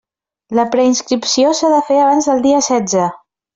La preinscripció s'ha de fer abans del dia setze.